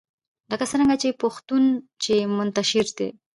لکه څرنګه پښتون چې منتشر دی